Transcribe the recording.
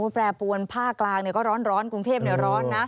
แปรปวนภาคกลางก็ร้อนกรุงเทพร้อนนะ